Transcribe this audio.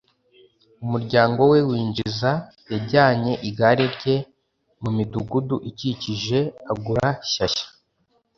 umuryango we winjiza, yajyanye igare rye mumidugudu ikikije agura shyashya